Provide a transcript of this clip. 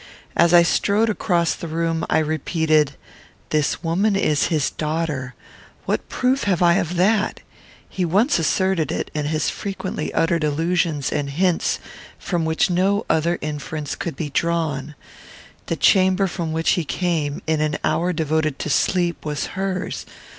As I strode across the room I repeated, "This woman is his daughter. What proof have I of that? He once asserted it; and has frequently uttered allusions and hints from which no other inference could be drawn. The chamber from which he came, in an hour devoted to sleep, was hers.